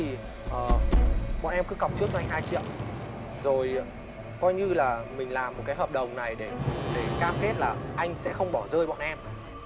thì bọn em cứ cọc trước anh hai triệu rồi coi như là mình làm một cái hợp đồng này để cam kết là anh sẽ không bỏ rơi bọn em